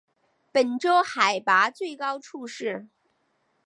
本州海拔最高处是。